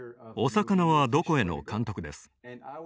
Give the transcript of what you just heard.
「さかなはどこへ？」の監督です。